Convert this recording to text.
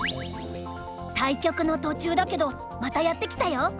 対局の途中だけどまたやってきたよ。